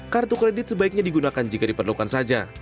kartu kredit sebaiknya digunakan jika diperlukan saja